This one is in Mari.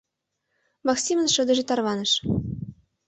Максимын шыдыже тарваныш.